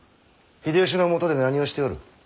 秀吉のもとで何をしておる？